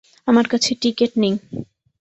আমার কাছে টিকেট নেই।